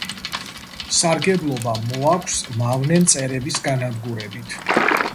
სარგებლობა მოაქვს მავნე მწერების განადგურებით.